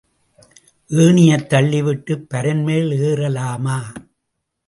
ஏணியைத் தள்ளிவிட்டுப் பரண்மேல் ஏறலாமா?